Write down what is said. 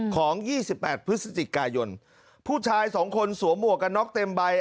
๒๘พฤศจิกายนผู้ชายสองคนสวมหมวกกันน็อกเต็มใบ